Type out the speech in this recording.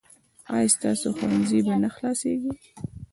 ایا ستاسو ښوونځی به نه خلاصیږي؟